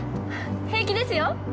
平気ですよ。